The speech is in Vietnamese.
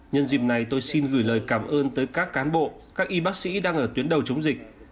nhân dịp này tôi xin gửi lời cảm ơn tới các cán bộ các y bác sĩ đang ở tuyến đầu chống dịch